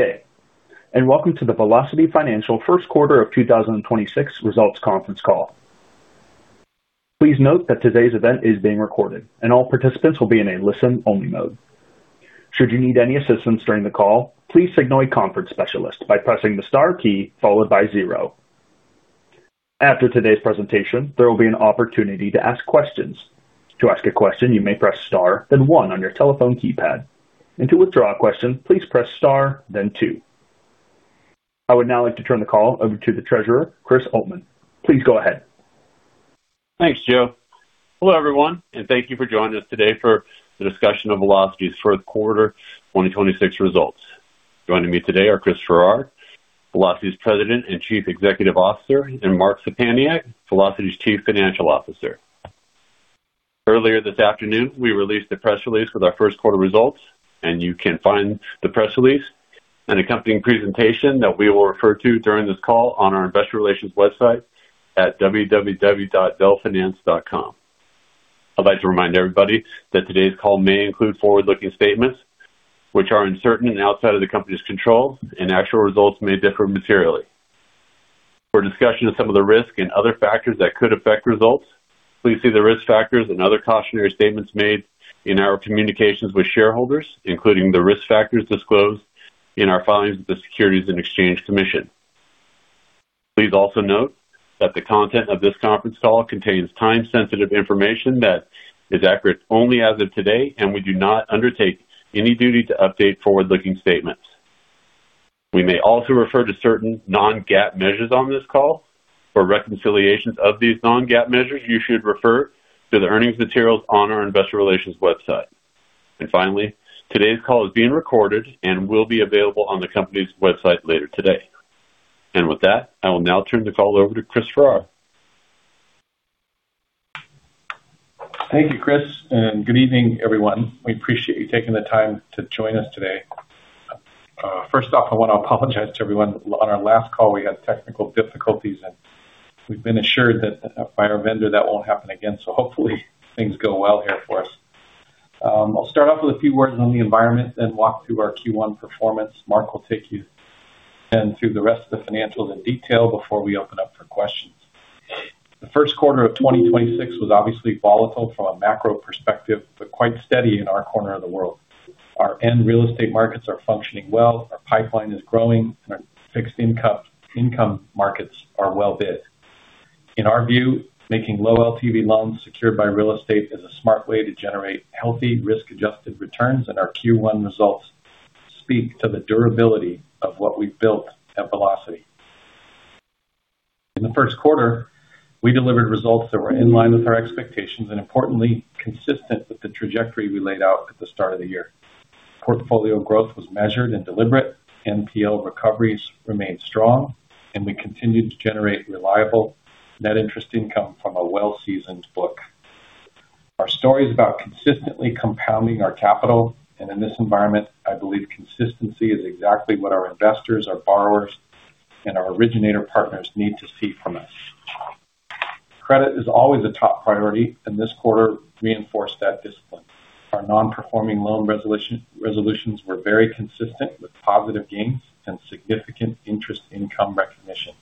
,Good day, and welcome to the Velocity Financial first quarter of 2026 results conference call. Please note that today's event is being recorded and all participants will be in a listen-only mode. Should you need any assistance during the call, please signal a conference specialist by pressing the star key followed by zero. After today's presentation, there will be an opportunity to ask questions. To ask a question, you may press star then one on your telephone keypad. To withdraw a question, please press star then two. I would now like to turn the call over to the treasurer, Chris Oltmann. Please go ahead. Thanks, Joe. Hello, everyone, and thank you for joining us today for the discussion of Velocity's fourth quarter 2026 results. Joining me today are Chris Farrar, Velocity's President and Chief Executive Officer, and Mark Szczepaniak, Velocity's Chief Financial Officer. Earlier this afternoon, we released a press release with our first quarter results, and you can find the press release and accompanying presentation that we will refer to during this call on our investor relations website at www.velfinance.com. I'd like to remind everybody that today's call may include forward-looking statements which are uncertain and outside of the company's control, and actual results may differ materially. For discussion of some of the risks and other factors that could affect results, please see the risk factors and other cautionary statements made in our communications with shareholders, including the risk factors disclosed in our filings with the Securities and Exchange Commission. Please also note that the content of this conference call contains time-sensitive information that is accurate only as of today, and we do not undertake any duty to update forward-looking statements. We may also refer to certain non-GAAP measures on this call. For reconciliations of these non-GAAP measures, you should refer to the earnings materials on our investor relations website. Finally, today's call is being recorded and will be available on the company's website later today. With that, I will now turn the call over to Chris Farrar. Thank you, Chris. Good evening, everyone. We appreciate you taking the time to join us today. First off, I want to apologize to everyone. On our last call, we had technical difficulties. We've been assured that by our vendor that won't happen again. Hopefully things go well here for us. I'll start off with a few words on the environment. Walk through our Q1 performance. Mark will take you through the rest of the financials in detail before we open up for questions. The first quarter of 2026 was obviously volatile from a macro perspective, quite steady in our corner of the world. Our end real estate markets are functioning well, our pipeline is growing, our fixed income markets are well bid. In our view, making low LTV loans secured by real estate is a smart way to generate healthy risk-adjusted returns, and our Q1 results speak to the durability of what we've built at Velocity. In the first quarter, we delivered results that were in line with our expectations and importantly, consistent with the trajectory we laid out at the start of the year. Portfolio growth was measured and deliberate, NPL recoveries remained strong, and we continued to generate reliable net interest income from a well-seasoned book. Our story is about consistently compounding our capital, and in this environment, I believe consistency is exactly what our investors, our borrowers, and our originator partners need to see from us. Credit is always a top priority, and this quarter reinforced that discipline. Our non-performing loan resolutions were very consistent with positive gains and significant interest income recognition.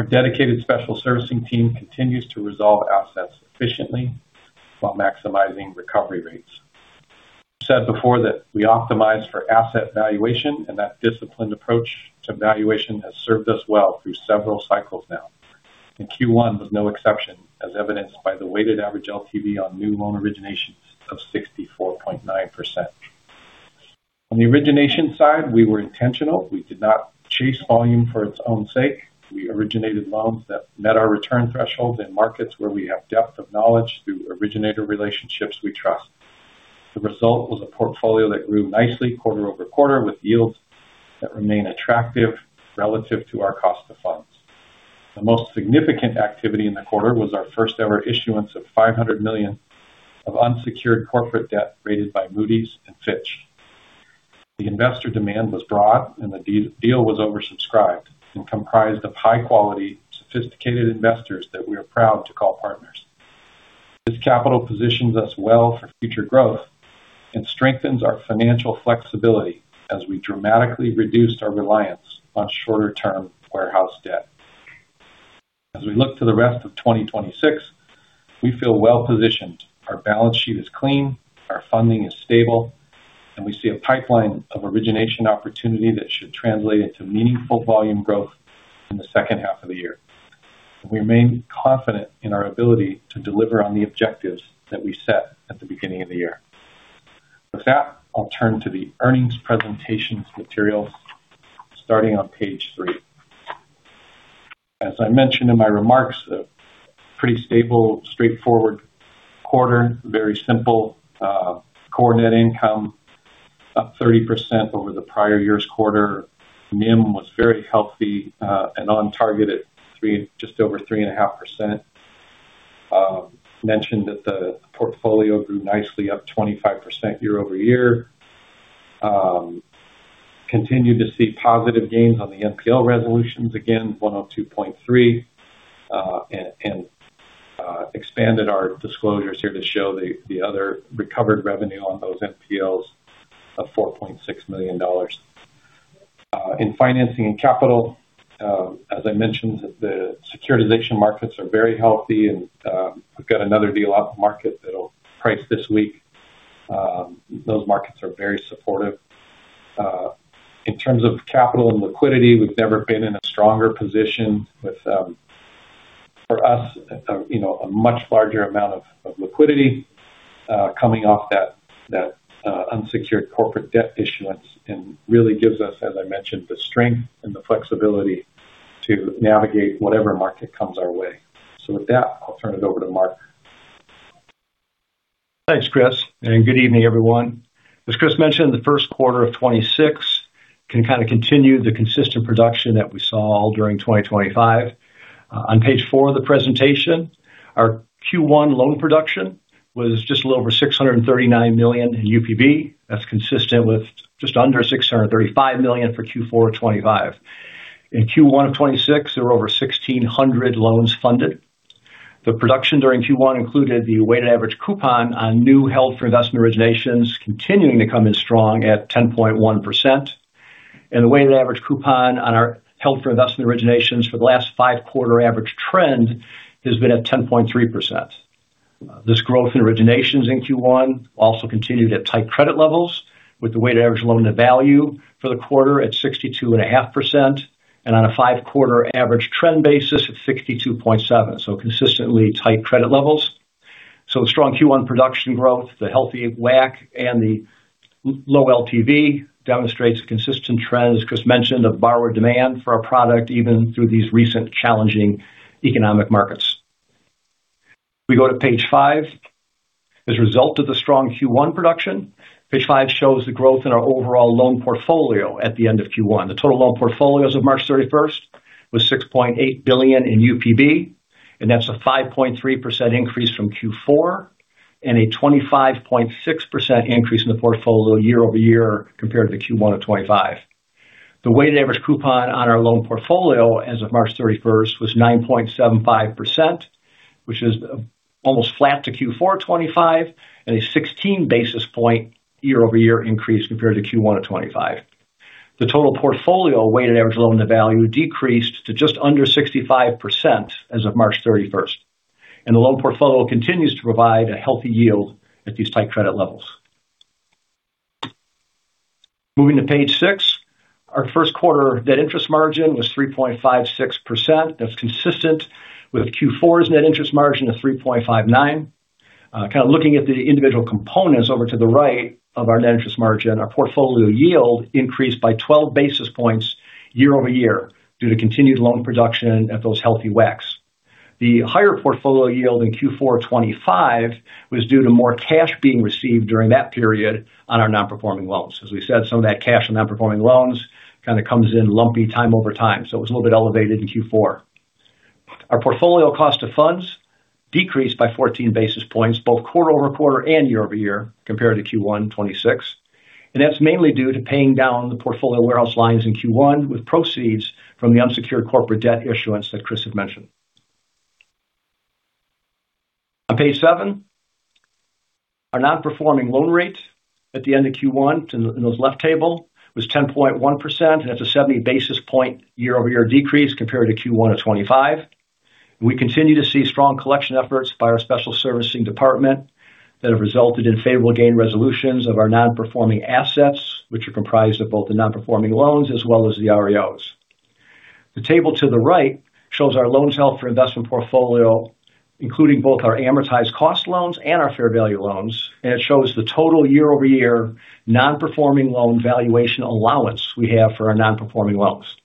Our dedicated special servicing team continues to resolve assets efficiently while maximizing recovery rates. I've said before that we optimize for asset valuation and that disciplined approach to valuation has served us well through several cycles now. Q1 was no exception, as evidenced by the weighted average LTV on new loan originations of 64.9%. On the origination side, we were intentional. We did not chase volume for its own sake. We originated loans that met our return threshold in markets where we have depth of knowledge through originator relationships we trust. The result was a portfolio that grew nicely quarter-over-quarter with yields that remain attractive relative to our cost of funds. The most significant activity in the quarter was our first-ever issuance of $500 million of unsecured corporate debt rated by Moody's and Fitch. The investor demand was broad and the deal was oversubscribed and comprised of high quality, sophisticated investors that we are proud to call partners. This capital positions us well for future growth and strengthens our financial flexibility as we dramatically reduced our reliance on shorter-term warehouse debt. As we look to the rest of 2026, we feel well positioned. Our balance sheet is clean, our funding is stable, and we see a pipeline of origination opportunity that should translate into meaningful volume growth in the second half of the year. We remain confident in our ability to deliver on the objectives that we set at the beginning of the year. With that, I'll turn to the earnings presentations materials starting on page three. As I mentioned in my remarks, a pretty stable, straightforward quarter. Very simple. Core net income up 30% over the prior year's quarter. NIM was very healthy and on target at just over 3.5%. Mentioned that the portfolio grew nicely, up 25% year-over-year. Continue to see positive gains on the NPL resolutions, again, 102.3. Expanded our disclosures here to show the other recovered revenue on those NPLs of $4.6 million. In financing and capital, as I mentioned, the securitization markets are very healthy and we've got another deal out in the market that'll price this week. Those markets are very supportive. In terms of capital and liquidity, we've never been in a stronger position with, for us, a, you know, a much larger amount of liquidity coming off that unsecured corporate debt issuance. Really gives us, as I mentioned, the strength and the flexibility to navigate whatever market comes our way. With that, I'll turn it over to Mark. Thanks, Chris, and good evening, everyone. As Chris mentioned, the first quarter of 2026 can kind of continue the consistent production that we saw all during 2025. On page four of the presentation, our Q1 loan production was just a little over $639 million in UPB. That's consistent with just under $635 million for Q4 of 2025. In Q1 of 2026, there were over 1,600 loans funded. The production during Q1 included the weighted average coupon on new held for investment originations continuing to come in strong at 10.1%. The weighted average coupon on our held for investment originations for the last five-quarter average trend has been at 10.3%. This growth in originations in Q1 also continued at tight credit levels, with the weighted average loan-to-value for the quarter at 62.5%, and on a five-quarter average trend basis of 62.7%. Consistently tight credit levels. Strong Q1 production growth, the healthy WAC, and the low LTV demonstrates consistent trends, as Chris mentioned, of borrower demand for our product, even through these recent challenging economic markets. If we go to page five. As a result of the strong Q1 production, page five shows the growth in our overall loan portfolio at the end of Q1. The total loan portfolio as of March 31st was $6.8 billion in UPB, and that's a 5.3% increase from Q4 and a 25.6% increase in the portfolio year-over-year compared to the Q1 of 2025. The weighted average coupon on our loan portfolio as of March 31st was 9.75%, which is almost flat to Q4 2025 and a 16 basis point year-over-year increase compared to Q1 of 2025. The total portfolio weighted average loan-to-value decreased to just under 65% as of March 31st, and the loan portfolio continues to provide a healthy yield at these tight credit levels. Moving to page six. Our first quarter net interest margin was 3.56%. That's consistent with Q4's net interest margin of 3.59%. Kind of looking at the individual components over to the right of our net interest margin, our portfolio yield increased by 12 basis points year-over-year due to continued loan production at those healthy WACs. The higher portfolio yield in Q4 2025 was due to more cash being received during that period on our non-performing loans. As we said, some of that cash on non-performing loans kind of comes in lumpy time over time. It was a little bit elevated in Q4. Our portfolio cost of funds decreased by 14 basis points, both quarter-over-quarter and year-over-year compared to Q1 2026. That's mainly due to paying down the portfolio warehouse lines in Q1 with proceeds from the unsecured corporate debt issuance that Chris had mentioned. On page seven. Our non-performing loan rate at the end of Q1 in this left table was 10.1%, that's a 70 basis point year-over-year decrease compared to Q1 of 2025. We continue to see strong collection efforts by our special servicing department that have resulted in favorable gain resolutions of our non-performing assets, which are comprised of both the non-performing loans as well as the REOs. The table to the right shows our loans held for investment portfolio, including both our amortized cost loans and our fair value loans. It shows the total year-over-year non-performing loan valuation allowance we have for our non-performing loans.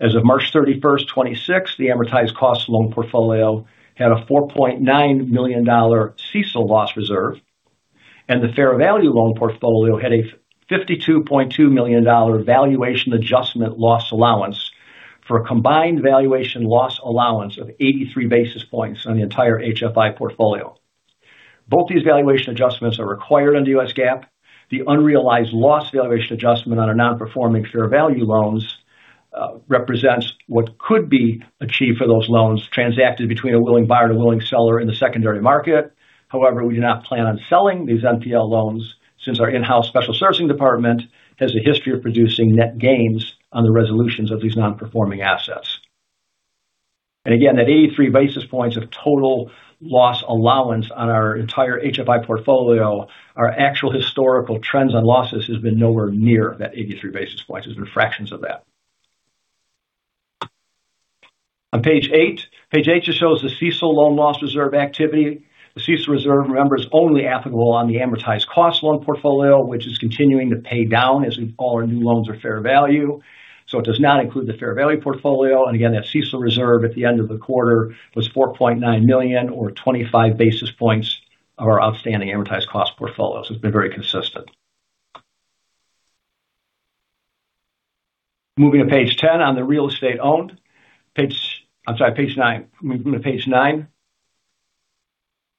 As of March 31st, 2026, the amortized cost loan portfolio had a $4.9 million CECL loss reserve, and the fair value loan portfolio had a $52.2 million valuation adjustment loss allowance for a combined valuation loss allowance of 83 basis points on the entire HFI portfolio. Both these valuation adjustments are required under U.S. GAAP. The unrealized loss valuation adjustment on our non-performing fair value loans represents what could be achieved for those loans transacted between a willing buyer and a willing seller in the secondary market. However, we do not plan on selling these NPL loans since our in-house special servicing department has a history of producing net gains on the resolutions of these non-performing assets. Again, that 83 basis points of total loss allowance on our entire HFI portfolio, our actual historical trends on losses has been nowhere near that 83 basis points. It's been fractions of that. On page eight. Page eight just shows the CECL loan loss reserve activity. The CECL reserve, remember, is only applicable on the amortized cost loan portfolio, which is continuing to pay down as all our new loans are fair value. It does not include the fair value portfolio. Again, that CECL reserve at the end of the quarter was $4.9 million or 25 basis points of our outstanding amortized cost portfolio. It's been very consistent. Moving to page 10 on the real estate owned. Page nine. Moving to page nine.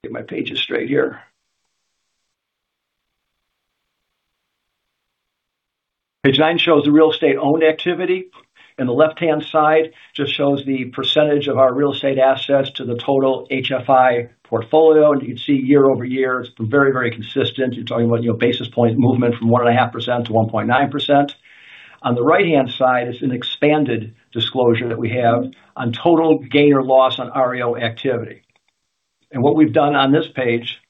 Get my pages straight here. Page nine shows the real estate-owned activity. The left-hand side just shows the percentage of our real estate assets to the total HFI portfolio. You can see year-over-year, it's been very, very consistent. You're talking about, you know, basis point movement from 1.5%-1.9%. On the right-hand side is an expanded disclosure that we have on total gain or loss on REO activity. What we've done on this page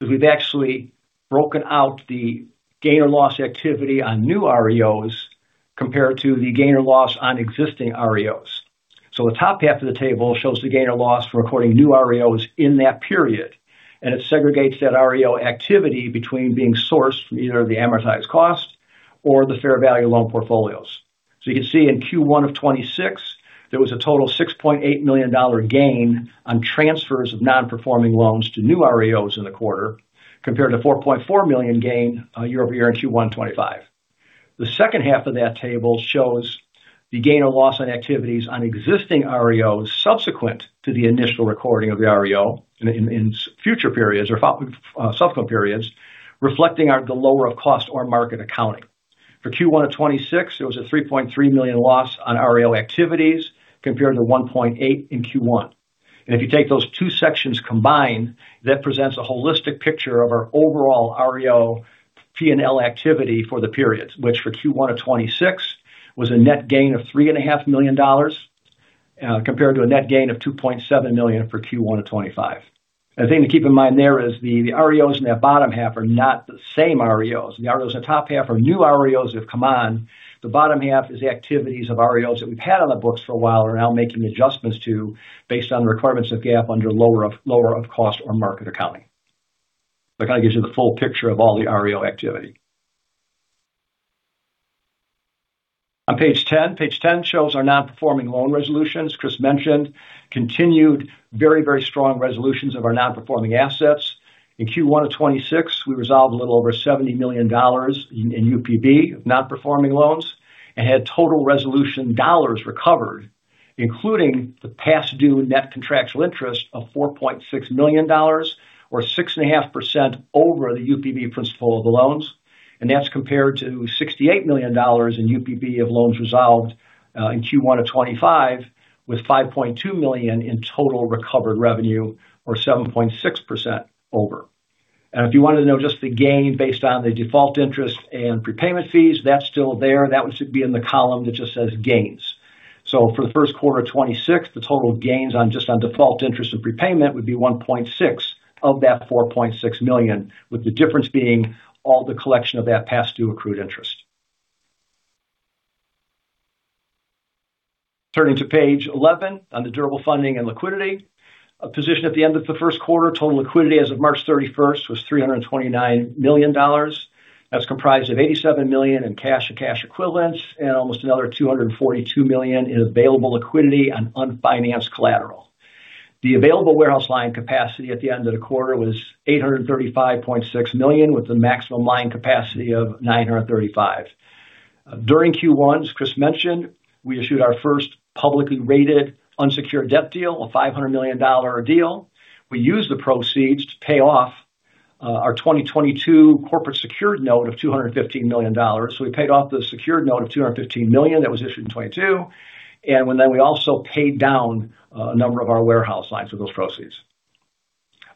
is we've actually broken out the gain or loss activity on new REOs compared to the gain or loss on existing REOs. The top half of the table shows the gain or loss for recording new REOs in that period, and it segregates that REO activity between being sourced from either the amortized cost or the fair value loan portfolios. You can see in Q1 of 2026, there was a total $6.8 million gain on transfers of non-performing loans to new REOs in the quarter, compared to $4.4 million gain year-over-year in Q1 2025. The second half of that table shows the gain or loss on activities on existing REOs subsequent to the initial recording of the REO in future periods or subsequent periods reflecting on the lower of cost or market accounting. For Q1 of 2026, there was a $3.3 million loss on REO activities compared to $1.8 in Q1. If you take those two sections combined, that presents a holistic picture of our overall REO, P&L activity for the periods, which for Q1 of 2026 was a net gain of $3.5 million, compared to a net gain of $2.7 million for Q1 of 2025. The thing to keep in mind there is the REOs in that bottom half are not the same REOs. The REOs in the top half are new REOs that have come on. The bottom half is activities of REOs that we've had on the books for a while are now making adjustments to based on the requirements of GAAP under lower of cost or market accounting. That kind of gives you the full picture of all the REO activity. On page 10. Page 10 shows our non-performing loan resolutions. Chris mentioned continued very strong resolutions of our non-performing assets. In Q1 of 2026, we resolved a little over $70 million in UPB of non-performing loans and had total resolution dollars recovered, including the past due net contractual interest of $4.6 million or 6.5% over the UPB principal of the loans. That's compared to $68 million in UPB of loans resolved in Q1 of 2025 with $5.2 million in total recovered revenue or 7.6% over. If you wanted to know just the gain based on the default interest and prepayment fees, that's still there. That would just be in the column that just says gains. For the first quarter of 2026, the total gains on just on default interest and prepayment would be $1.6 of that $4.6 million, with the difference being all the collection of that past due accrued interest. Turning to page 11 on the durable funding and liquidity. A position at the end of the first quarter, total liquidity as of March 31st was $329 million. That's comprised of $87 million in cash and cash equivalents and almost another $242 million in available liquidity on unfinanced collateral. The available warehouse line capacity at the end of the quarter was $835.6 million, with the maximum line capacity of $935 million. During Q1, as Chris mentioned, we issued our first publicly rated unsecured debt deal, a $500 million deal. We used the proceeds to pay off our 2022 corporate secured note of $215 million. We paid off the secured note of $215 million that was issued in 2022. We also paid down a number of our warehouse lines with those proceeds.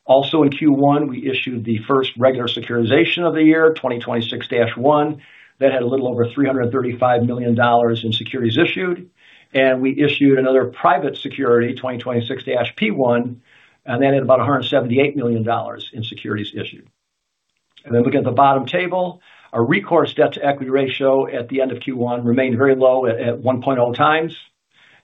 Also in Q1, we issued the first regular securitization of the year, 2026-1. That had a little over $335 million in securities issued. We issued another private security, 2026-P1, and that had about $178 million in securities issued. Looking at the bottom table, our recourse debt-to-equity ratio at the end of Q1 remained very low at 1.0x.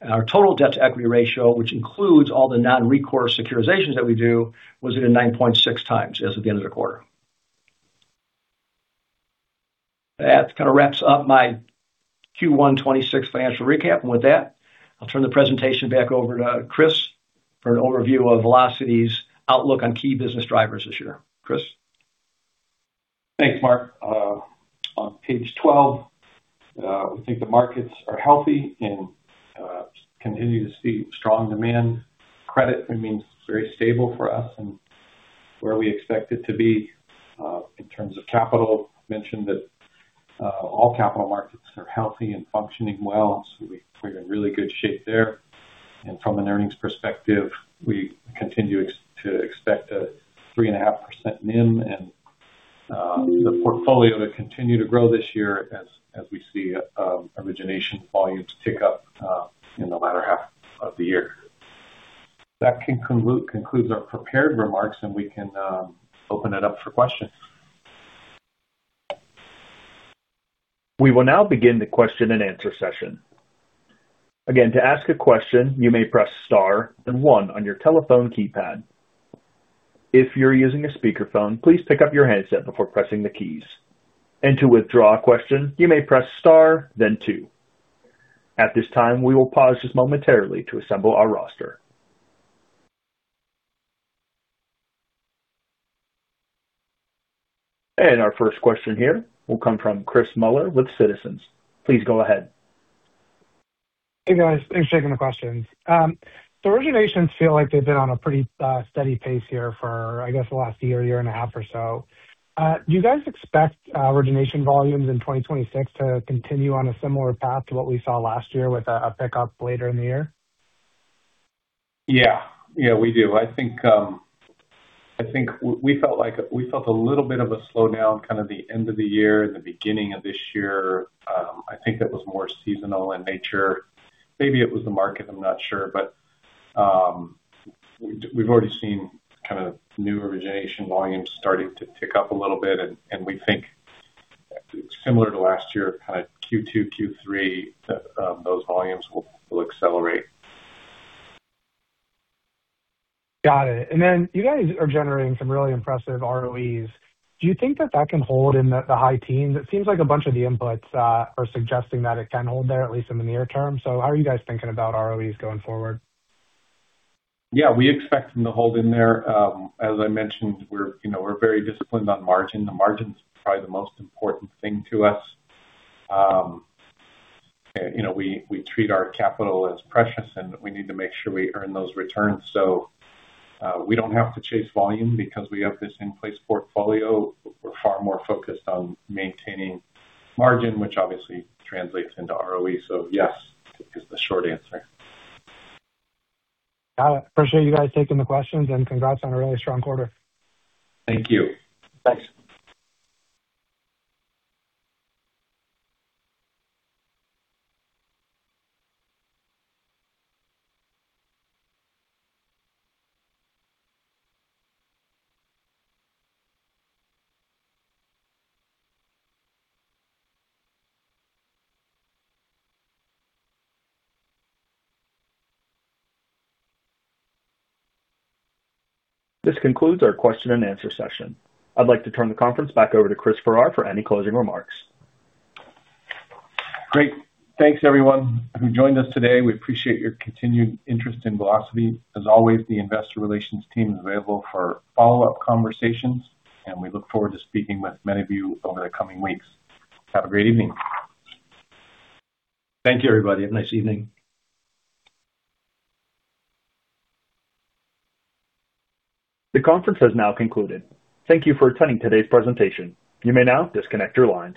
Our total debt-to-equity ratio, which includes all the non-recourse securitizations that we do, was at a 9.6x as of the end of the quarter. That kind of wraps up my Q1 2026 financial recap. With that, I'll turn the presentation back over to Chris for an overview of Velocity's outlook on key business drivers this year. Chris. Thanks, Mark. On page 12, we think the markets are healthy and continue to see strong demand. Credit remains very stable for us and where we expect it to be. In terms of capital, mentioned that all capital markets are healthy and functioning well, so we're in really good shape there. From an earnings perspective, we continue to expect a 3.5% NIM and the portfolio to continue to grow this year as we see origination volumes pick up in the latter half of the year. That concludes our prepared remarks, and we can open it up for questions. We will now begin the question and answer session. Again, to ask a question, you may press star then one on your telephone keypad. If you're using a speakerphone, please pick up your handset before pressing the keys. To withdraw a question, you may press star then two. At this time, we will pause just momentarily to assemble our roster. Our first question here will come from Chris Muller with Citizens. Please go ahead. Hey, guys. Thanks for taking the questions. Originations feel like they've been on a pretty steady pace here for, I guess, the last year and a half or so. Do you guys expect origination volumes in 2026 to continue on a similar path to what we saw last year with a pickup later in the year? Yeah. Yeah, we do. I think we felt a little bit of a slowdown kind of the end of the year and the beginning of this year. I think that was more seasonal in nature. Maybe it was the market, I'm not sure. We've already seen kind of new origination volumes starting to tick up a little bit. We think similar to last year, kind of Q2, Q3, the those volumes will accelerate. Got it. You guys are generating some really impressive ROEs. Do you think that that can hold in the high teens? It seems like a bunch of the inputs are suggesting that it can hold there, at least in the near term. How are you guys thinking about ROEs going forward? Yeah, we expect them to hold in there. As I mentioned, we're, you know, we're very disciplined on margin. The margin's probably the most important thing to us. You know, we treat our capital as precious, and we need to make sure we earn those returns. We don't have to chase volume because we have this in-place portfolio. We're far more focused on maintaining margin, which obviously translates into ROE. Yes is the short answer. Got it. Appreciate you guys taking the questions and congrats on a really strong quarter. Thank you. Thanks. This concludes our question and answer session. I'd like to turn the conference back over to Chris Farrar for any closing remarks. Great. Thanks, everyone who joined us today. We appreciate your continued interest in Velocity. As always, the investor relations team is available for follow-up conversations, and we look forward to speaking with many of you over the coming weeks. Have a great evening. Thank you, everybody. Have a nice evening. The conference has now concluded. Thank you for attending today's presentation. You may now disconnect your lines.